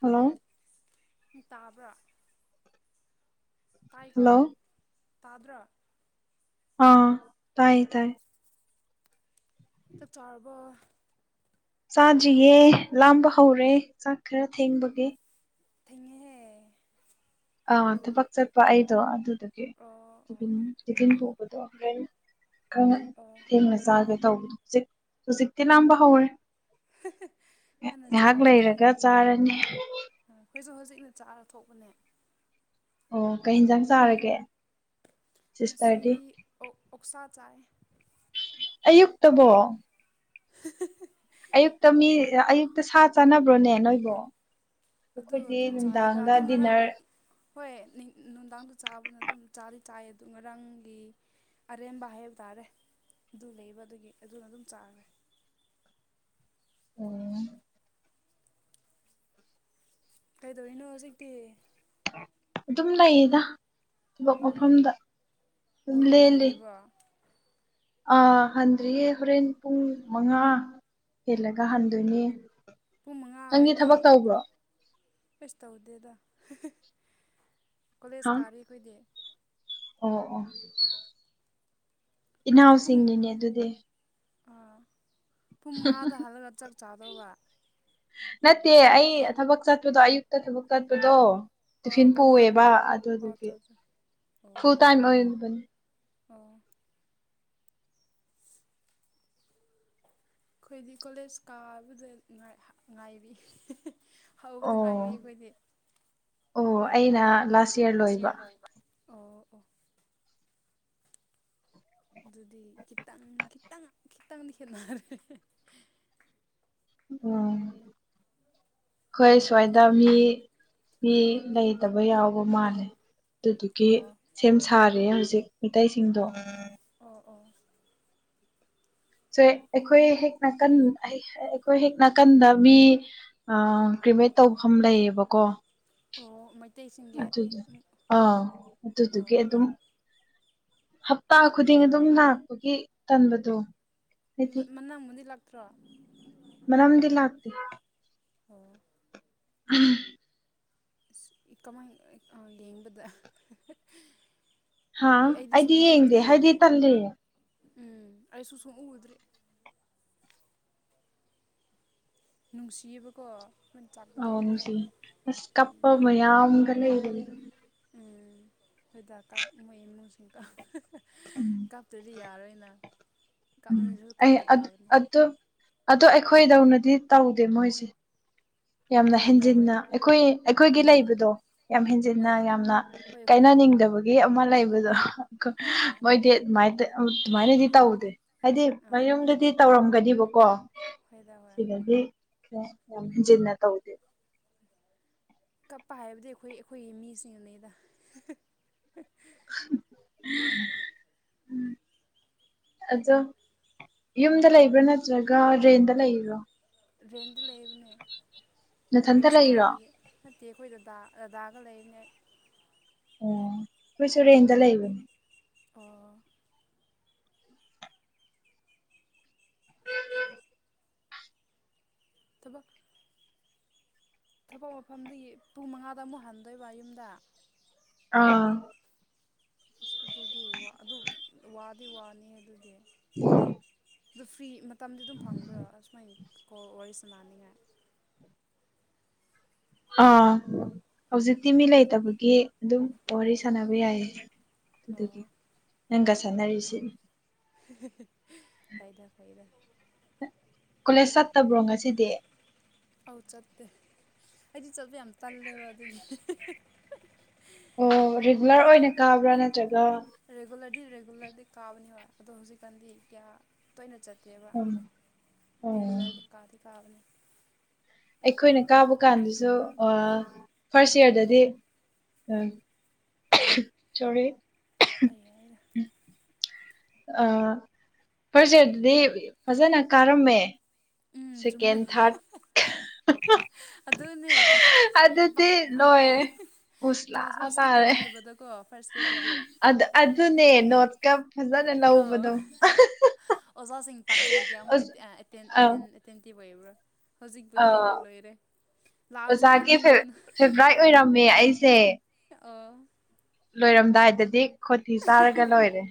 hello ꯇꯥꯕ꯭ꯔꯥ ꯇꯥꯏꯒ hello ꯊꯥꯗ꯭ꯔ ꯑꯥ ꯇꯥꯏ ꯇꯥꯏ ꯇ ꯆꯔꯕꯣ ꯆꯥ ꯌꯦ ꯂꯥꯝꯕ ꯍꯧꯔꯦ ꯆꯥꯛ ꯈꯔ ꯊꯦꯡꯕꯒꯦ ꯊꯍꯦ ꯑꯥ ꯊꯕꯛ ꯆꯠꯄ ꯑꯩꯗꯣ ꯑꯗꯨꯗꯨꯒꯤ ꯑꯣ ꯑꯣ ꯇꯤꯟ ꯇꯤꯐꯤꯟ ꯄꯨꯕꯗꯣ ꯂꯩ ꯈ ꯑꯣ ꯊꯦꯡꯅ ꯆꯥꯒꯦ ꯇꯧꯕ ꯍꯧꯖꯤꯛ ꯍꯧꯖꯤꯛꯇꯤ ꯂꯥꯡꯝꯕ ꯍꯧꯔꯦ ꯉꯟꯅ ꯉꯥꯏꯍꯥꯛ ꯆꯥꯎꯗ ꯂꯩꯔꯒ ꯆꯥꯔꯅꯤ ꯏꯅ ꯆꯥꯔ ꯊꯣꯛꯄꯅꯦ ꯑꯣ ꯀꯩ ꯌꯦꯟꯁꯥꯡ ꯆꯥꯔꯒꯦ ꯉꯁꯤ ꯁꯤꯁꯇꯔꯗꯤ ꯑꯣꯛꯁꯥ ꯆꯥꯏ ꯑꯌꯨꯛꯇꯕꯣ [unintelligible] ꯑꯌꯨꯛꯇ ꯃꯤ ꯑꯌꯨꯛꯇ ꯁꯥ ꯆꯥꯅꯕ꯭ꯔꯣꯅꯦ ꯅꯣꯏꯕꯨꯣ ꯑꯗꯨ ꯑꯩꯈꯣꯏꯗꯤ ꯑꯗꯨꯝ ꯆꯥꯏꯗ ꯅꯨꯡꯗꯥꯡꯒ ꯑꯗꯨ ꯉꯔꯥꯡ ꯗꯤꯟꯅꯔ ꯍꯣꯏ ꯅꯨꯡꯗꯥꯡꯗꯣ ꯆꯥꯕꯅ ꯑꯗꯨꯝ ꯆꯥꯔꯤ ꯆꯥꯏ ꯑꯗꯨ ꯉꯔꯥꯡꯒꯤ ꯑꯔꯦꯝꯕ ꯍꯥꯏꯕ ꯇꯥꯔꯦ ꯑꯗꯨ ꯂꯩꯕ ꯑꯗꯨꯒꯤ ꯑꯗꯨꯅ ꯑꯗꯨꯝ ꯆꯥꯈꯔꯦ ꯎ ꯀꯩꯗꯧꯅꯣ ꯍꯧꯖꯤꯛꯇꯤ ꯑꯗꯨꯝ ꯂꯩꯌꯦꯗ ꯊꯕꯛ ꯃꯐꯝꯗ ꯑꯣ ꯑꯗꯨꯝ ꯌꯨꯝ ꯂꯦꯜꯂꯤ ꯍꯟꯗ꯭ꯔꯤꯕꯣ ꯑꯥ ꯍꯟꯗ꯭ꯔꯤꯌꯦ ꯍꯣꯔꯦꯟ ꯄꯨꯡ ꯃꯉꯥ ꯍꯦꯜꯂꯒ ꯍꯟꯗꯣꯏꯅꯦ ꯄꯨꯡ ꯃꯉꯥ ꯅꯪꯒꯤ ꯍꯥꯏꯗꯤ ꯊꯕꯛ ꯇꯧꯕ꯭ꯔꯣ ꯀꯩꯁꯨ ꯇꯧꯗꯦꯗ ꯍꯥ ꯀꯣꯂꯦꯖ ꯀꯥꯔꯤ ꯑꯩꯈꯣꯏꯗꯤ ꯑꯣ ꯑꯣ ꯑꯗꯨ ꯄꯨꯡ ꯏꯅꯥꯎꯁꯤꯡꯅꯤꯅꯦ ꯑꯗꯨꯗꯤ ꯑꯥ ꯄꯨꯡ ꯃꯉꯥꯗ ꯍꯜꯂꯒ ꯆꯥꯛ ꯆꯥꯗꯧꯕ ꯅꯠꯇꯦ ꯑꯩ ꯊꯕꯛ ꯆꯠꯄꯗꯣ ꯑꯌꯨꯛꯇ ꯊꯕꯛ ꯆꯠꯄꯗꯣ ꯑꯣ ꯇꯤꯐꯤꯟ ꯄꯨꯡ ꯃꯉꯥꯗ ꯄꯨꯑꯦꯕ ꯑꯣ ꯑꯗꯨꯗꯨꯗꯒꯤ ꯆꯥ ꯆꯥ ꯐꯨꯜ ꯑꯣ ꯇꯥꯏꯝ ꯑꯣꯏꯕꯅꯤ ꯑꯣ ꯑꯩꯈꯣꯏꯗꯤ ꯀꯣꯂꯦꯖ ꯀꯥꯕꯗ ꯉꯥꯏꯔꯤ ꯍꯧꯕꯗꯨ ꯑꯣ ꯉꯥꯏꯔꯤ ꯑꯩꯈꯣꯏꯗꯤ ꯑꯣ ꯑꯩꯅ ꯂꯥꯁ ꯌꯔ ꯁꯤ ꯂꯣꯏꯕ ꯂꯕ ꯑꯣ ꯑꯣ ꯑꯗꯨꯗꯤ ꯈꯤꯇꯪ ꯈꯤꯇꯪ ꯈꯤꯇꯪꯗꯤ ꯈꯦꯠꯅꯔꯦ ꯎꯝ ꯍꯣꯏ ꯑꯗꯨ ꯁ꯭ꯋꯥꯏꯗ ꯃꯤ ꯃꯤ ꯂꯩꯇꯕ ꯌꯥꯎꯕ ꯃꯥꯜꯂꯦ ꯑꯗꯨꯗꯨꯒꯤ ꯑꯣ ꯁꯦꯝ ꯁꯥꯔ ꯦ ꯍꯧꯖꯤꯛ ꯃꯤꯇꯩꯇꯩꯁꯤꯡꯗꯣ ꯑꯣ ꯑꯣ ꯑꯣ ꯁꯣ ꯑꯩꯈꯣꯏ ꯍꯦꯛ ꯅꯥꯀꯟ ꯑꯩꯈꯣꯏ ꯍꯦꯛ ꯅꯥꯀꯟꯗ ꯃꯤ ꯑ ꯀ꯭ꯔꯤꯃꯦꯠ ꯇꯧꯐꯝ ꯂꯩꯌꯦꯕꯀꯣ ꯑꯣ ꯃ ꯑꯗꯨꯗ ꯑꯥ ꯑꯗꯨꯗꯨꯒꯤ ꯑꯣ ꯑꯗꯨꯝ ꯍꯞꯇꯥ ꯈꯨꯗꯤꯡ ꯑꯗꯨꯝ ꯂꯥꯛꯄꯒꯤ ꯇꯟꯕꯗꯣ ꯍꯥꯏꯗꯤ ꯃꯅꯥꯛꯕꯨꯗꯤ ꯂꯥꯛꯇ꯭ꯔꯣ ꯃꯅꯝꯗꯤ ꯂꯥꯛꯇ ꯑꯣ ꯎꯝ ꯏ ꯀꯥꯃꯥꯏ ꯒꯦꯝꯕꯗ ꯍꯥ ꯑꯩꯗꯤ ꯌꯦꯡꯗꯦ ꯍꯥꯏꯗꯤ ꯇꯜꯂꯤꯌꯦ ꯎꯝ ꯑꯩꯁꯨ ꯁꯨꯝꯎꯗ꯭ꯔꯦ ꯅꯨꯡꯁꯤꯌꯦꯕꯀꯣ ꯃꯣꯏꯅ ꯑ ꯆꯥꯛꯀꯗꯧꯕꯗꯣ ꯁꯤ ꯑꯁ ꯀꯄ ꯃꯌꯥꯝꯒ ꯂꯩ ꯎꯝ ꯍꯣꯏꯗ ꯀꯞ ꯃꯣꯏ ꯏꯃꯨꯡꯁꯤꯡ ꯀ ꯎꯝ ꯀꯞꯇꯗꯤ ꯌꯥꯔꯣꯏꯅ ꯎꯝ ꯀꯥꯞꯅꯤꯡꯗ꯭ꯔꯁꯨ ꯑꯩ ꯀꯥꯞꯄ ꯇꯥꯕꯅꯤ ꯑꯗꯨ ꯑꯗꯨ ꯑꯩꯈꯣꯏꯗꯧꯅꯗꯤ ꯇꯧꯗꯦ ꯃꯣꯏꯁꯦ ꯌꯥꯝꯅ ꯍꯣꯏꯗ ꯍꯣꯏ ꯍꯦꯟꯖꯤꯟꯅ ꯑꯩꯈꯣꯏ ꯑꯩꯈꯣꯏꯒꯤ ꯎꯝ ꯂꯩꯕꯗꯣ ꯌꯥꯝ ꯍꯦꯟꯖꯤꯟꯅ ꯍꯣꯏ ꯌꯥꯝꯅ ꯍꯣꯏ ꯀꯥꯏꯅꯅꯤꯡꯉ ꯑꯩꯈꯣꯏꯗꯤ ꯅꯤꯡꯗꯕꯒꯤ ꯑꯃ ꯂꯩꯕꯗꯣ ꯍꯣꯏ ꯍꯣꯏ ꯃꯣꯏꯗꯤ ꯑꯗꯨꯃꯥꯏ ꯑꯗꯨꯃꯥꯏꯅꯗꯤ ꯇꯧꯗꯦ ꯍꯥꯏꯗꯤ ꯃꯌꯨꯝꯗꯗꯤ ꯇꯧꯔꯝꯒꯅꯤꯕꯀꯣ ꯐꯥꯏꯗ ꯑꯣꯏ ꯌꯥꯝꯖꯤꯟꯅ ꯇꯧꯗꯦꯕ ꯀꯞꯄ ꯍꯥꯏꯕꯗꯤ ꯑꯩꯈꯣꯏ ꯑꯩꯈꯣꯏꯒꯤ ꯃꯤꯁꯤꯡꯅꯤꯩꯗ [inaudible] ꯑꯗꯣ ꯌꯨꯝꯗ ꯂꯩꯕ꯭ꯔꯥ ꯅꯠꯇ꯭ꯔꯒ ꯔꯦꯟꯗ ꯂꯩꯕꯔꯣ ꯔꯦꯟꯗ ꯂꯩꯕꯅꯦ ꯅꯊꯟꯇ ꯀꯣꯏꯂꯦꯖ ꯂꯩꯔꯣ ꯑꯣ ꯀꯥꯕꯒꯤ ꯅꯠꯇꯦ ꯑꯩꯈꯣꯏꯗ ꯗꯥ ꯔꯗꯥꯒ ꯂꯩꯅꯦ ꯑꯣ ꯑꯩꯈꯣꯏꯁꯨꯨꯔꯦꯟꯗ ꯂꯩꯕꯅꯦ ꯑꯣ ꯊꯕ ꯊꯕꯛ ꯃꯐꯝꯗꯒꯤ ꯄꯨꯡ ꯃꯉꯥꯗ ꯑꯃꯨꯛ ꯍꯟꯗꯣꯏꯕ ꯌꯨꯝꯗ ꯑꯥ ꯑꯁ ꯑꯗꯨꯗꯤ ꯑꯗꯨꯝ ꯋꯥꯗꯤ ꯋꯥꯅꯤ ꯑꯗꯨꯗꯤ ꯎꯝ ꯑꯗꯨ ꯐ꯭ꯔꯤ ꯃꯇꯝꯗꯤ ꯑꯗꯨꯝ ꯐꯪꯕ꯭ꯔꯥ ꯁꯨꯃꯥꯏꯅ ꯀꯣ ꯋꯥꯔꯤꯁꯦ ꯃꯥꯟꯅꯤꯡꯉꯥꯏ ꯑꯥ ꯍꯧꯖꯤꯛꯇꯤ ꯃꯤ ꯂꯩꯇꯕꯒꯤ ꯑꯗꯨꯝ ꯋꯥꯔꯤ ꯁꯥꯟꯅꯕ ꯌꯥꯏꯌꯦ ꯑꯗꯨꯒꯤ ꯑꯣ ꯅꯪꯒ ꯁꯥꯟꯅꯔꯤꯁꯤ ꯐꯥꯏꯗ ꯐꯥꯏꯗ ꯀꯣꯂꯦꯖ ꯆꯠꯇꯕ꯭ꯔꯣ ꯉꯁꯤꯗꯤ ꯑꯧ ꯆꯠꯇꯦ ꯑꯩꯗꯤ ꯆꯠꯄꯦ ꯌꯥꯝ ꯇꯜꯂꯦꯕ ꯑꯗꯨꯒꯤ ꯑꯣ ꯔꯤꯒꯨꯂꯔ ꯑꯣꯏꯅ ꯀꯥꯕ꯭ꯔꯥ ꯅꯠꯇ꯭ꯔꯒ ꯔꯦꯒꯨꯂꯔꯗꯤ ꯔꯦꯒꯨꯂꯔꯗꯤ ꯀꯥꯕꯅꯤ ꯍ ꯑꯗꯣ ꯍꯧꯖꯤꯛꯀꯥꯟꯗꯤ ꯀꯌꯥ ꯇꯣꯏꯅ ꯆꯠꯦ ꯑꯗꯨꯕ ꯎꯝ ꯑꯣ ꯔꯦꯒꯨꯂꯔ ꯀꯥꯗ ꯀꯥꯕꯅꯤ ꯑꯩꯈꯣꯏꯅ ꯀꯥꯕ ꯀꯥꯟꯗꯁꯨ ꯐꯥꯔꯁ ꯏꯌꯥꯔꯗꯗꯤ ꯎ ꯆꯔꯤ ꯑꯂ ꯑ ꯐꯔꯁꯦꯗꯤ ꯐꯖꯅ ꯀꯥꯔꯝꯃꯦ ꯎꯝ ꯁꯦꯀꯦꯟ ꯆꯨꯝꯃꯦ ꯊꯥꯔꯗ ꯑꯗꯨꯅꯦ ꯂꯣꯏꯔꯦ ꯎꯁꯂꯥ ꯀ꯭ꯂꯥꯁ ꯐꯁꯀꯤ ꯇꯥꯔꯦ ꯇꯧꯅꯤꯡꯗꯕꯗꯀꯣ ꯐꯥꯔꯁ ꯏꯌꯥꯔꯗꯗꯤ ꯑꯗ ꯑꯗꯨ ꯑꯗꯨ ꯅ ꯅꯠꯀꯞ ꯐꯖꯅꯦ ꯂꯕꯗꯣ ꯁꯤꯡ ꯇꯥꯛꯄꯗꯒꯤ ꯑꯃꯨꯛ ꯑꯦꯇꯦꯟ ꯇꯤꯕ ꯑꯣꯏꯕ꯭ꯔꯥ ꯍꯧꯖꯤꯛꯄꯨꯗꯤ ꯑꯥ ꯂꯣꯏꯔꯦ ꯂꯥꯛꯑꯁꯨ ꯑꯣꯖꯥꯒꯤ ꯍꯟꯅꯤꯡꯕꯅ ꯐꯦꯚꯔꯥꯏꯠ ꯑꯣꯏꯔꯝꯃꯦ ꯑꯩꯁꯦ ꯑꯣ ꯂꯣꯏꯔꯝꯗꯥꯏꯗꯗꯤ ꯈꯣꯊꯤ ꯆꯥꯔꯒ ꯂꯣꯏꯔꯦ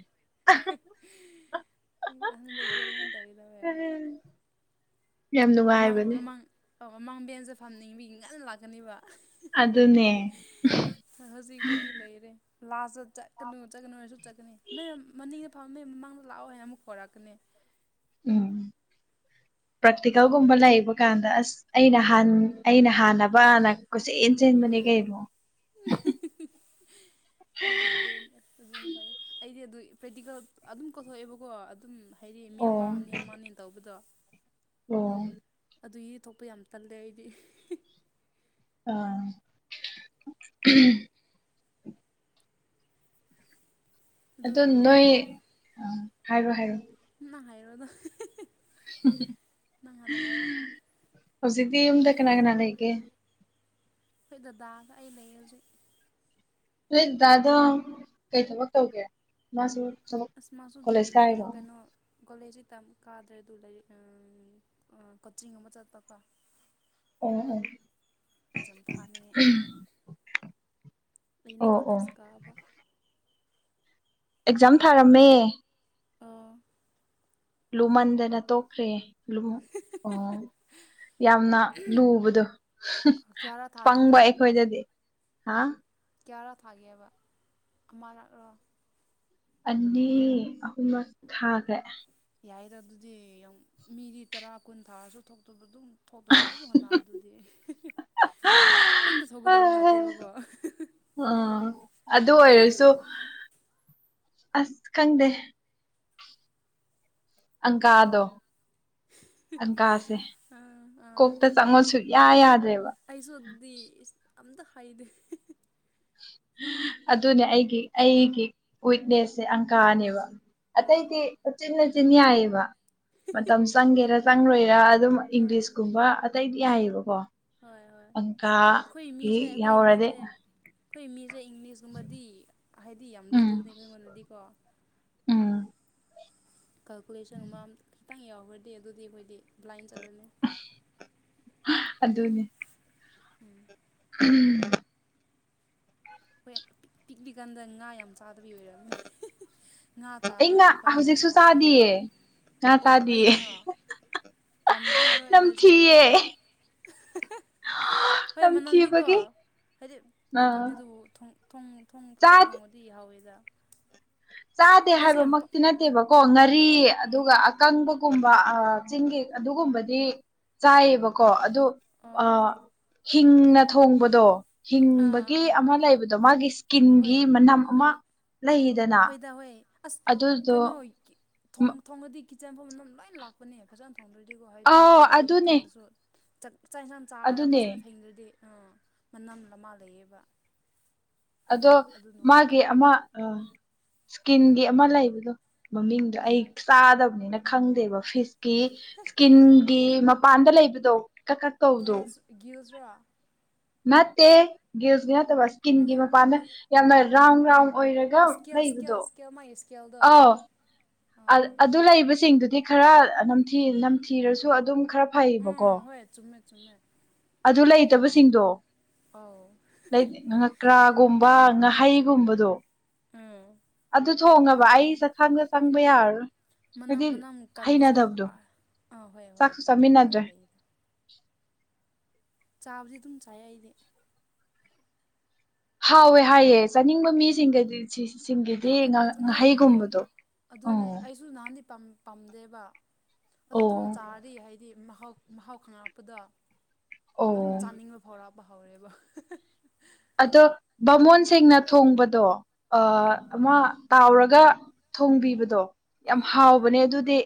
ꯑꯍꯅꯕꯁ ꯑꯗꯨꯃꯅ ꯇꯧꯋꯤꯗꯕꯦ ꯎꯝ ꯌꯥꯝ ꯅꯨꯡꯉꯥꯏꯕꯅꯦ ꯑꯣ ꯃꯃꯥꯡꯕꯦꯟꯁꯦ ꯐꯝꯅꯤꯡꯕꯤꯒꯤ ꯉꯟꯅ ꯂꯥꯛꯀꯅꯦꯕ ꯑꯗꯨ ꯑꯗꯨꯅꯦ ꯍꯧꯖꯤꯛꯄꯨꯗꯤ ꯂꯩꯔꯦ ꯂꯥꯁꯇ ꯆꯠꯀꯅꯨ ꯆꯠꯀꯅꯨ ꯅꯁꯨ ꯆꯠꯀꯅꯤ ꯅꯣꯏ ꯃꯅꯤꯡ ꯐꯥꯎ ꯑꯃꯒꯤ ꯃꯃꯥꯡꯗ ꯂꯥꯛꯑꯣ ꯍꯥꯏꯅ ꯑꯃꯨꯛ ꯀꯔꯛꯀꯅꯤ ꯎꯝ [unintelligible] ꯄ꯭ꯔꯥꯛꯇꯤꯀꯦꯜꯒꯨꯝꯕ ꯂꯩꯕ ꯀꯥꯟꯗ ꯑꯁ ꯑꯩꯅ ꯑꯩꯅ ꯍꯥꯟꯅꯕ ꯍꯥꯟꯅ ꯀꯆꯦꯟ ꯆꯦꯟꯕꯅꯤ ꯀꯕ ꯑꯗꯨ ꯑꯗꯨ ꯑꯩꯗꯤ ꯑꯗꯨ ꯄ꯭ꯔꯦꯛꯇꯤꯀꯦꯜ ꯑꯗꯨꯝ ꯀꯊꯣꯛꯑꯦꯕꯀꯣ ꯑꯗꯨꯝ ꯍꯥꯏꯗꯤ ꯃꯤ ꯑꯣ ꯑꯃ ꯑꯅꯤ ꯑꯃ ꯑꯅꯦꯅ ꯇꯧꯕꯗꯣ ꯑꯣ ꯑꯗꯨꯒꯤ ꯊꯣꯛꯄ ꯌꯥꯝ ꯇꯜꯂꯦ ꯑꯩꯗꯤ ꯑꯥ ꯑꯗꯨ ꯑꯗꯣ ꯅꯣꯏ ꯍꯥꯏꯔꯣ ꯍꯥꯏꯔꯣ ꯅ ꯍꯥꯏꯔꯣꯗꯣ ꯍꯧꯖꯤꯛꯇꯤ ꯌꯨꯝꯗ ꯀꯅꯥ ꯀꯅꯥ ꯂꯩꯒꯦ ꯑꯩꯈꯣꯏ ꯗꯗꯥꯗ ꯑꯩ ꯂꯩ ꯍꯧꯖꯤꯛ ꯍꯣꯏ ꯗꯥꯗ ꯀꯩ ꯊꯕꯛ ꯇꯧꯒꯦ ꯃꯥꯁꯨ ꯊꯕꯛ ꯑꯁꯃꯁꯨ ꯑꯗꯨꯝ ꯀꯣꯂꯦꯖ ꯂꯩꯗ ꯀꯥꯏꯔꯣ ꯀꯩꯅꯣ ꯑꯣ ꯀꯣꯂꯦꯖ ꯍꯇ ꯀꯥꯗ꯭ꯔꯦ ꯑꯗꯨ ꯂꯥꯏꯔꯤꯛ ꯀꯣꯆꯤꯡ ꯑꯃ ꯆꯠꯄꯀꯣ ꯎ ꯑꯦꯖꯝ ꯊꯥꯅꯤꯉꯦ ꯑꯩꯅ ꯑꯣ ꯑꯣ ꯀꯣꯂꯦꯖ ꯀꯥꯕ ꯑꯦꯛꯖꯥꯝ ꯊꯥꯔꯝꯃꯦ ꯑꯣ ꯂꯨꯃꯟꯗꯅ ꯇꯣꯛꯈ꯭ꯔꯦ ꯑꯣ ꯌꯥꯝꯅ ꯂꯨꯕꯗꯣ ꯀꯌꯥꯔꯥ ꯊꯥꯒꯦꯅ ꯄꯪꯕ ꯑꯩꯈꯣꯏꯗꯗꯤ ꯍꯥꯥ ꯀꯌꯥꯔꯥ ꯊꯥꯒꯦꯕ ꯑꯃꯔꯥꯛꯔꯣ ꯑꯅꯤ ꯑꯍꯨꯝꯃꯛ ꯊꯥꯈ꯭ꯔꯦ ꯌꯥꯏꯔ ꯑꯗꯨꯗꯤ ꯌꯥꯝ ꯃꯤꯗꯤ ꯇꯔꯥ ꯀꯨꯟ ꯊꯥꯔꯁꯨ ꯊꯣꯛꯇꯕ ꯑꯗꯨꯝ ꯐꯣꯇꯣꯁꯨ ꯑꯗꯨꯝ ꯍꯣꯅ ꯑꯗꯨꯗꯤ ꯍꯦꯛꯇ ꯑ ꯁꯧꯒꯗꯧ ꯅꯠꯇꯦꯕꯀꯣ ꯑꯥ ꯑꯗꯨ ꯑꯣꯏꯔꯁꯨ ꯑꯁ ꯈꯪꯗꯦ ꯑꯪꯀꯥꯗꯣ ꯑꯪꯀꯁꯦ ꯑꯥ ꯑꯥ ꯀꯣꯛꯇ ꯆꯪꯉꯣ ꯁ ꯌꯥ ꯌꯥꯗ꯭ꯔꯦ ꯑꯩꯁꯨ ꯑꯗꯨꯗꯤ ꯑꯝꯇ ꯍꯩꯗꯦ ꯑꯗꯨꯅꯦ ꯑꯩꯒꯤ ꯑꯩꯒꯤ ꯋꯤꯛꯅꯦꯁꯁꯦ ꯑꯪꯀꯥꯅꯦꯕ ꯑꯥ ꯑꯇꯩꯗꯤꯆꯤꯤꯟ ꯃꯆꯤꯟ ꯌꯥꯏꯑꯕ ꯃꯇꯝ ꯆꯪꯒꯦꯔ ꯆꯪꯔꯣꯏꯔ ꯑꯗꯨꯝ ꯑꯥ ꯏꯪꯂꯤꯁꯀꯨꯝꯕ ꯑꯇꯩꯗꯤ ꯌꯥꯏꯌꯦꯕꯀꯣ ꯍꯣꯏ ꯍꯣꯏ ꯄꯪꯀ ꯑꯩꯈꯣꯏ ꯍ ꯃꯤꯁꯦ ꯑꯩꯈꯣꯏ ꯌꯥꯎꯗꯦ ꯃꯤꯁꯦ ꯑꯩꯈꯣꯏ ꯃꯤꯁꯦ ꯏꯪꯂꯤꯁꯀꯨꯝꯕꯗꯤ ꯍꯥꯏꯗꯤ ꯌꯥꯝ ꯎꯝ ꯂꯨꯗꯕꯅꯦ ꯑꯩꯈꯣꯏ ꯑꯩꯉꯣꯟꯗꯗꯤꯀꯣ ꯎꯝ ꯀꯥꯜꯀꯨꯂꯦꯁꯟ ꯑꯃ ꯈꯤꯇꯪ ꯌꯥꯎꯈ꯭ꯔꯗꯤ ꯑꯗꯨꯗꯤ ꯑꯩꯈꯣꯏꯗꯤ ꯕ꯭ꯂꯥꯏꯟ ꯆꯠꯂꯅꯤ ꯑꯗꯨꯅꯦ ꯎꯝ ꯎꯝ ꯍꯣꯏ ꯄꯤꯛꯂꯤꯀꯥꯟꯗ ꯉꯥ ꯌꯥꯝ ꯆꯥꯗꯕꯤ ꯑꯣꯏꯔꯝꯃꯦ ꯑꯩ ꯉꯥ ꯍꯧꯖꯤꯛꯁꯨ ꯆꯥꯗꯌꯦ ꯉꯥ ꯑꯣ ꯆꯥꯗꯦꯌꯦ ꯀꯩꯒꯤꯅꯣ ꯄꯥꯝꯗꯕꯤꯔꯣ ꯑꯦꯂꯔꯖꯤ ꯂꯩꯕ꯭ꯔꯥ ꯍꯣꯏ ꯃꯅꯝꯗꯤꯀꯣ ꯅꯝꯊꯤꯕꯒꯤ ꯍꯥꯏꯗꯤ ꯑꯗꯨꯅꯦ ꯑꯥ ꯑꯗꯨꯕꯨ ꯊ ꯊ ꯐꯖꯅ ꯆꯥꯗꯦ ꯊꯣꯡꯕꯗꯤ ꯌꯥꯍꯥꯎꯋꯦꯗ ꯆꯥꯗꯦ ꯍꯥꯏꯕꯃꯛꯇꯤ ꯅꯠꯇꯦꯕꯀꯣ ꯉꯥꯔꯤ ꯑꯥ ꯑꯗꯨꯒ ꯑꯀꯪꯕꯒꯨꯝꯕ ꯆꯤꯡꯒꯤ ꯑꯗꯨꯒꯨꯝꯕꯗꯤ ꯆꯥꯏꯌꯦꯕꯀꯣ ꯑꯗꯨ ꯑꯥ ꯑ ꯍꯤꯡꯅ ꯊꯣꯡꯕꯗꯣ ꯑꯥ ꯍꯤꯡꯕꯒꯤ ꯑꯥ ꯑꯃ ꯂꯩꯕꯗꯣ ꯃꯥꯒꯤ ꯏꯁꯀꯤꯟꯒꯤ ꯃꯅꯝ ꯑꯃ ꯂꯩ ꯍꯣꯏꯗꯥ ꯍꯣꯏ ꯑꯁ ꯀꯩꯅꯣ ꯊꯣꯡꯉꯗꯤ ꯑꯩ ꯀꯤꯠꯆꯟꯐꯝ ꯑꯗꯨꯝ ꯂꯣꯏ ꯂꯥꯛꯄꯅꯦ ꯐꯖꯅ ꯊꯣꯡꯗ꯭ꯔꯣꯏꯗꯤꯀꯣ ꯍꯥꯏꯗꯤ ꯑꯥꯎ ꯊꯣꯡꯈ꯭ꯔꯕ ꯑꯗꯨꯅꯦ ꯃꯇꯨꯡꯗꯁꯨ ꯆꯠ ꯏꯁꯥꯛ ꯏꯟꯁꯥꯡ ꯆꯥꯔꯒ ꯑꯗꯨꯅꯦ ꯐꯖꯅ ꯐꯦꯡꯗꯗꯤ ꯑꯥ ꯃꯅꯝ ꯂꯃꯥ ꯂꯩꯌꯦꯕ ꯑꯗꯨ ꯑꯗꯣ ꯑꯗꯨ ꯅꯨꯡꯉꯥꯏ ꯃꯥꯒꯤ ꯇꯜꯂꯦ ꯑꯃ ꯏꯁꯀꯤꯟꯒꯤ ꯑꯃ ꯂꯩꯕꯗꯣ ꯃꯃꯤꯡꯗꯣ ꯑꯩ ꯎꯝ ꯆꯥꯗꯕꯅꯤꯅ ꯈꯪꯗꯦꯕ ꯐꯤꯁꯀꯤ ꯏꯁꯀꯤꯟꯒꯤ ꯃꯄꯥꯟꯗ ꯂꯩꯕꯗꯣ ꯀꯛ ꯀꯛ ꯁ ꯒ꯭ꯦꯨꯖꯔꯣ ꯃ ꯇ ꯦꯁꯒꯁ ꯀꯤꯟꯒꯤ ꯃ ꯄꯥꯝꯃꯦ ꯌꯥ ꯃ ꯔꯥꯎꯟ ꯔꯥꯎꯟ ꯑꯣꯏꯔꯒ ꯂꯩꯕꯗꯣ ꯀꯦꯜꯗ ꯑꯧ ꯑꯗꯨ ꯂꯩꯕꯁꯤꯡꯗꯨꯗꯤ ꯈꯔꯝꯊ ꯅꯝꯊꯤꯔꯁꯨ ꯑꯗꯨꯝ ꯈꯔ ꯐꯩꯌꯦꯕꯀꯣ ꯎꯝ ꯍꯣꯏ ꯆꯨꯝꯃꯦ ꯆꯨꯝꯃꯦ ꯑꯗꯨ ꯑꯧ ꯂꯩꯇꯕꯁꯤꯡꯗꯣꯀ꯭ꯔꯥ ꯒꯨꯝꯕ ꯉꯥꯍꯩꯒꯨꯝꯕꯗꯣ ꯎꯝ ꯑꯗꯨ ꯊꯣꯡꯉꯕ ꯑꯩ ꯆꯛꯈꯥꯡꯗ ꯆꯪꯕ ꯌꯥꯔꯔꯣꯏ ꯃꯅ ꯍꯥꯏꯗꯤ ꯃꯅꯥ ꯀꯟꯕꯁꯨ ꯍꯩꯅꯗꯕꯗꯣ ꯑꯥ ꯍꯣꯏ ꯍꯣꯏ ꯆꯥꯛꯁꯨ ꯑꯗꯨ ꯑꯣꯏ ꯆꯥꯃꯤꯟꯅꯗ꯭ꯔꯦ ꯂꯩꯗ [unintelligible] ꯆꯥꯕꯗꯤ ꯑꯗꯨꯝ ꯆꯥꯏ ꯑꯩꯗꯤ ꯍꯥꯎꯋꯦ ꯍꯥꯏꯌꯦ ꯆꯥꯅꯤꯡꯕ ꯃꯤꯁꯤꯡꯒꯗꯤ ꯁꯤꯁꯤꯡꯒꯤꯗꯤ ꯉꯥꯗꯣꯀꯣ ꯉꯥꯍꯩꯒꯨꯝꯕꯗꯣ ꯎ ꯑꯗꯨꯅꯦ ꯑꯩꯁꯨ ꯅꯍꯥꯟꯗꯤ ꯄꯥꯝꯗꯦꯕ ꯑ ꯑꯗꯨꯝ ꯑꯣ ꯆꯥꯔꯤ ꯍꯥꯏꯗꯤ ꯃꯍꯥꯎ ꯃꯍꯥꯎ ꯈꯪꯉꯛꯄꯗꯣ ꯑꯗꯨꯝ ꯑꯣ ꯆꯥꯅꯤꯡꯕ ꯐꯥꯎꯔꯛ ꯥꯎꯔꯦꯕ ꯑꯗꯣ ꯕꯥꯃꯣꯟ ꯁꯦꯡꯅ ꯊꯣꯡꯕꯗꯣ ꯑꯥ ꯑꯃ ꯇꯥꯎꯔꯒ ꯊꯣꯡꯕꯤꯕꯗꯣ ꯌꯥꯝ ꯑꯥ ꯑꯥ ꯑꯥ ꯍꯥꯎꯕꯅꯦ ꯑꯗꯨꯗꯤ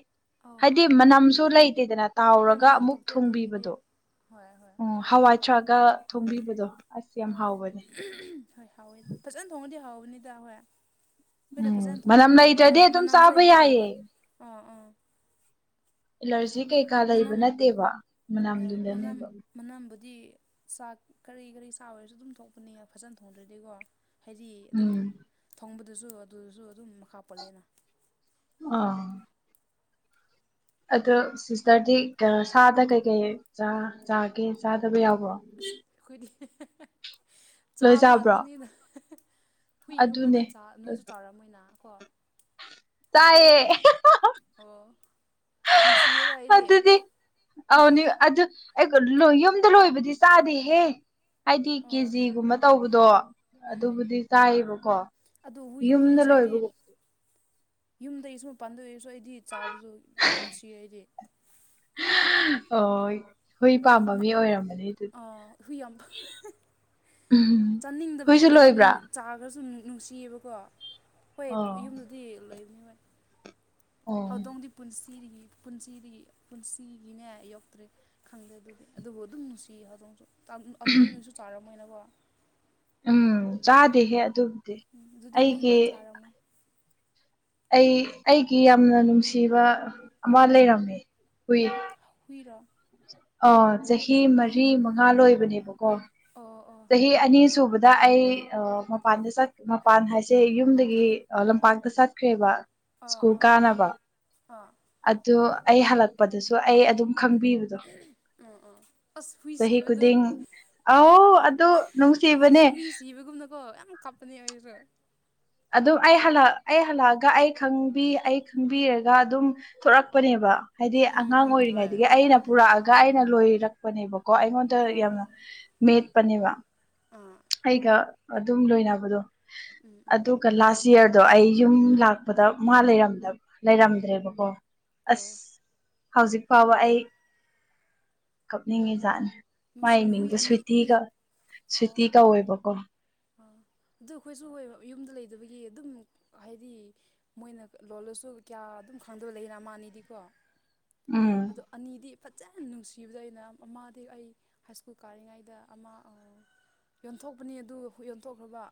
ꯑꯧ ꯍꯥꯏꯗꯤ ꯍꯥꯎꯋꯦ ꯍꯣꯏ ꯃꯅꯝꯁꯨ ꯂꯩꯇꯦꯗꯅ ꯍꯣꯏ ꯇꯥꯎꯔꯒ ꯃꯅꯝ ꯑꯃꯨꯛ ꯊꯣꯛꯇꯦ ꯑꯗꯨꯒꯤꯗꯤ ꯊꯣꯡꯕꯤꯕꯗꯣ ꯍꯣꯏ ꯍꯣꯏ ꯑꯣ ꯍꯋꯥꯏꯊꯔꯥꯛꯒ ꯊꯣꯡꯕꯤꯕꯗꯣ ꯑꯁ ꯌꯥꯝ ꯎꯝ ꯍꯥꯎꯕꯅꯦ ꯍꯣꯏ ꯍꯥꯎꯋꯦ ꯐꯖꯅ ꯊꯣꯡꯉꯗꯤ ꯍꯥꯎꯕꯅꯤꯗ ꯍꯣꯏ ꯑꯩꯈꯣꯏꯅ ꯎꯝ ꯐꯖꯅ ꯊꯣꯡꯗ꯭ꯔꯗꯤ ꯂꯩꯇ꯭ꯔꯗꯤ ꯃꯅꯝ ꯑꯗꯨꯝ ꯃꯅꯝꯁꯨ ꯆꯥꯕ ꯌꯥꯝꯟ ꯊꯣꯛꯑꯦꯕ ꯌꯥꯏꯌꯦ ꯑꯥ ꯑꯥ ꯑꯦꯂꯔꯖꯤ ꯀꯩꯀꯥ ꯂꯩꯕ ꯃꯅꯝ ꯅꯠꯇꯦꯕ ꯃꯅꯝꯗꯨꯗꯅꯦꯕ ꯗꯤ ꯆꯥꯛ ꯀꯔꯤ ꯀꯔꯤ ꯆꯥ ꯑꯣꯏꯔꯁꯨ ꯑꯗꯨꯝ ꯊꯣꯛꯄꯅꯦ ꯐꯖꯅ ꯊꯣꯡꯗ꯭ꯔꯗꯤꯀꯣ ꯍꯥꯏꯗꯤ ꯑꯗꯨꯝ ꯎꯝ ꯊꯣꯡꯕꯗꯨꯁꯨ ꯑꯗꯨꯁꯨ ꯑꯗꯨꯝ ꯃꯈꯥ ꯄꯣꯜꯂꯦꯅ ꯑ ꯑꯗ ꯁꯤꯁꯇꯔꯗꯤ ꯁꯥꯗ ꯀꯩꯀꯩ ꯆꯥꯒꯦ ꯆꯥꯗꯕ ꯌꯥꯎ ꯑꯩꯈꯣꯏꯗꯤ ꯂꯣꯏ ꯆꯥꯕ ꯆꯥꯕ꯭ꯔꯣ ꯉꯥꯛꯇꯅꯤꯗ ꯍꯨꯏꯒꯨꯝꯕꯗꯤ ꯑꯗꯨꯅꯦ ꯅꯣꯏꯁꯨ ꯆꯥꯎꯥꯔꯝꯃꯣꯏꯅ ꯀꯣ ꯆꯥꯏꯌꯦ ꯍꯨꯏꯒꯨꯝꯕꯗꯤ ꯑꯣ ꯅꯨꯡꯁꯤꯌꯦꯕ ꯑꯗꯨ ꯑꯩꯗꯤ ꯑꯗꯨꯗꯤ ꯑꯅꯤ ꯑꯗꯨ ꯑꯗꯨ ꯑꯩ ꯌꯨꯝꯗ ꯂꯣꯏꯕꯗꯤ ꯆꯥꯗꯦꯍꯦ ꯍꯥꯏꯗꯤ ꯑꯣ ꯀꯦꯖꯤꯒꯨꯝꯕ ꯇꯧꯕꯗꯣ ꯑꯗꯨꯕꯨꯗꯤ ꯆꯥꯏꯌꯦꯕꯀꯣ ꯑꯗꯨ ꯍꯨꯏ ꯌꯨꯝꯗ ꯍꯨꯏꯁꯦ ꯑꯩꯗꯤ ꯂꯣꯏꯕꯒꯨꯝ ꯌꯨꯝꯗꯒꯤ ꯁꯨꯝ ꯄꯥꯟꯗꯣꯛꯏꯔꯁꯨ ꯑꯩꯗꯤ ꯆꯥꯕꯁꯨ ꯌꯥꯝ ꯅꯨꯡꯁꯤꯌꯦ ꯑꯩꯗꯤ ꯑꯣ ꯍꯨꯏ ꯄꯥꯝꯕ ꯃꯤ ꯑꯣꯏꯔꯝꯕꯅꯤ ꯑꯗꯨꯗꯤ ꯎꯝ ꯆꯥꯅꯤꯡꯗꯕꯁꯤ ꯍꯨꯏꯁꯨ ꯅꯠꯇꯕ ꯑꯗꯨꯝ ꯂꯣꯏꯕ꯭ꯔꯥ ꯆꯥꯈ꯭ꯔꯁꯨ ꯅꯨꯡꯁꯤꯌꯦꯕꯀꯣ ꯍꯣꯏ ꯑꯣ ꯌꯨꯝꯗꯨꯗꯤ ꯂꯩꯕꯅꯤ ꯍꯣꯏ ꯑꯣ ꯎꯗꯣꯡꯒꯤ ꯄꯨꯟꯁꯤ ꯄꯨꯟꯁꯤꯗꯒꯤ ꯄꯨꯟꯁꯤꯗꯒꯤ ꯄꯨꯟꯁꯤꯒꯤꯅꯦ ꯌꯧꯛꯇ꯭ꯔꯦ ꯈꯪꯗꯦ ꯑꯗꯨꯗꯤ ꯑꯗꯨꯕꯨ ꯑꯗꯨꯝ ꯅꯨꯡꯁꯤꯌꯦ ꯍꯧꯖꯤꯛ ꯍꯧꯖꯤꯛ ꯑꯗꯨꯗꯤ ꯅꯣꯏꯁꯨ ꯆꯥꯔꯝꯃꯣꯏꯅꯀꯣ ꯎꯝ ꯆꯥꯗꯦꯍꯦ ꯑꯗꯨꯕꯨꯗꯤ ꯎꯝ ꯑꯗꯨꯗꯤ ꯃꯤ ꯑꯩꯒꯤ ꯑꯝꯇ ꯆꯥꯔꯝꯃꯣꯏ ꯑꯩ ꯑꯩꯒꯤ ꯌꯥꯝꯅ ꯅꯨꯡꯁꯤꯕ ꯑꯃ ꯂꯩꯔꯝꯃꯦ ꯍꯨꯏ ꯍꯨꯏꯔ ꯑ ꯆꯍꯤ ꯃꯔꯤ ꯃꯉꯥ ꯂꯣꯏꯕꯅꯦꯕ ꯑꯣ ꯑꯣ ꯆꯍꯤ ꯑꯅꯤ ꯁꯨꯕꯗ ꯗ ꯑꯩ ꯃꯄꯥꯟꯗ ꯃꯄꯥꯟ ꯍꯥꯏꯁꯦ ꯌꯨꯝꯗꯒꯤ ꯂꯝꯄꯥꯛꯇ ꯆꯠꯈ꯭ꯔꯦꯕ ꯑꯥ ꯁ꯭ꯀꯨꯜ ꯑꯥ ꯀꯥꯅꯕ ꯑꯥ ꯑꯗꯨ ꯑꯩ ꯍꯜꯂꯛꯄꯗꯁꯨ ꯑꯩ ꯑꯗꯨꯝ ꯈꯪꯕꯤ ꯗ ꯎꯝ ꯑꯁ ꯍꯏꯁꯤꯕꯗ ꯑ ꯑꯗꯨꯗꯣ ꯅꯪ ꯁꯤꯕꯅꯦ ꯀꯞꯄꯅꯤ ꯍꯥꯏꯏꯔ ꯑꯗꯨꯝ ꯑꯩ ꯑꯩ ꯍꯜꯂꯛꯑꯒ ꯑꯩ ꯈꯪꯕꯤ ꯑꯩ ꯈꯪꯕꯤꯔꯒ ꯑꯗꯨꯝ ꯊꯂꯛꯄꯅꯦꯕ ꯍꯥꯏꯗꯤ ꯎꯝ ꯑꯉꯥꯡ ꯎꯝ ꯍꯣꯏ ꯑꯥ ꯑꯣꯏꯔꯤꯉꯩꯗꯒꯤ ꯑꯩꯅ ꯄꯨꯔꯛꯑꯒ ꯑꯩ ꯑꯩꯅ ꯂꯣꯏꯔꯛꯄꯅꯦꯕꯀꯣ ꯑꯩꯉꯣꯟꯗ ꯌꯥꯝꯅ ꯑꯥ ꯃꯦꯠꯄꯅꯦꯕ ꯑꯩꯒ ꯑꯗꯨꯝ ꯂꯣꯏꯅꯕꯗꯣ ꯎꯝ ꯎꯝ ꯑꯗꯨꯒ ꯂꯥꯁ ꯆꯤꯌꯔꯗꯣ ꯑꯩ ꯌꯨꯝ ꯂꯥꯛꯄꯗ ꯃꯥ ꯂꯩꯔꯝꯗꯕ ꯂꯩꯔꯝꯗ꯭ꯔꯦꯕꯀꯣ ꯑꯁ ꯑꯣ ꯍꯧꯖꯤꯛ ꯐꯥꯎꯕ ꯑꯩ ꯀꯞꯅꯤꯡꯉꯤꯖꯥꯠꯅꯤ ꯃꯥꯏ ꯅꯨꯡꯁꯤꯕꯅꯤ ꯍꯨꯏ ꯃꯤꯡꯗꯣ ꯑꯅꯤ ꯍꯨꯏ ꯁ꯭ꯋꯤꯇꯤꯒ ꯑꯣ ꯁ꯭ꯋꯤꯇꯤ ꯀꯧꯋꯦꯕꯀꯣ [inaudible] ꯑꯗꯨ ꯑꯩꯈꯣꯏꯁꯨ ꯍꯣꯏ ꯌꯨꯝꯗ ꯂꯩꯗꯕꯒꯤ ꯑꯗꯨꯝ ꯍꯥꯏꯗꯤ ꯃꯣꯏꯅ ꯂꯣꯜꯂꯁꯨ ꯀꯌꯥ ꯑꯗꯨꯝ ꯈꯪꯗꯕ ꯂꯩꯔ ꯑꯃ ꯑꯅꯤꯗꯤꯀꯣ ꯎꯝ ꯑꯗꯣ ꯑꯅꯤꯗꯤ ꯐꯖꯅ ꯅꯨꯡꯁꯤꯕꯗꯣ ꯑꯩꯅ ꯃꯥꯗꯤ ꯑꯩ ꯍꯥꯏꯁ꯭ꯀꯨꯜ ꯀꯥꯔꯤꯉꯩꯗ ꯑꯃ ꯑꯥ ꯌꯣꯟꯊꯣꯛꯄꯅꯤ ꯑꯗꯨ ꯌꯣꯟꯊꯣꯛꯈ꯭ꯔꯕ